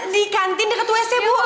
di kantin dekat wc bu